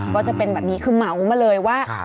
ก็จะเป็นแบบนี้คือเหมามาเลยว่า